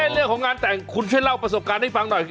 เรื่องของงานแต่งคุณช่วยเล่าประสบการณ์ให้ฟังหน่อย